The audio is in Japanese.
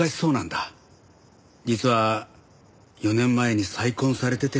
実は４年前に再婚されてて。